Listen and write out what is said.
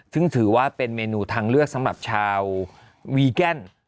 ซึ่งถือว่าเป็นเมนูทางเลือกสำหรับชาววีแกน